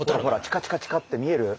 チカチカチカって見える？